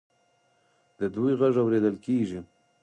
د دوی غږ اوریدل کیږي.